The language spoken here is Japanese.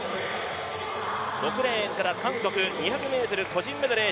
６レーン韓国２００ｍ個人メドレー